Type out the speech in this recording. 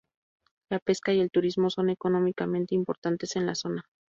La pesca y el turismo son económicamente importantes en la zona.